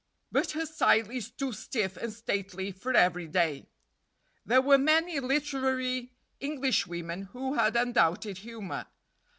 But her style is too stiff and stately for every day. There were many literary Englishwomen who had undoubted humor.